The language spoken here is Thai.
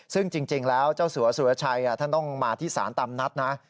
ซึ่งจริงแล้วเจ้าสัวสุรชัยท่านต้องมาที่ศาลตามนัดนะ